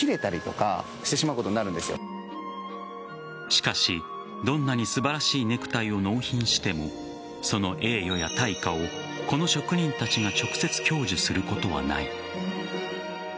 しかしどんなに素晴らしいネクタイを納品してもその栄誉や対価をこの職人たちが直接、享受することはない。